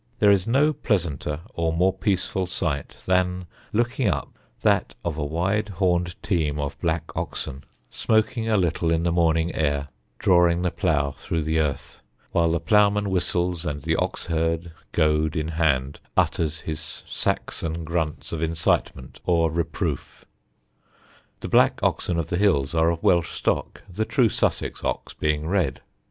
There is no pleasanter or more peaceful sight than looking up that of a wide horned team of black oxen, smoking a little in the morning air, drawing the plough through the earth, while the ploughman whistles, and the ox herd, goad in hand, utters his Saxon grunts of incitement or reproof. The black oxen of the hills are of Welsh stock, the true Sussex ox being red.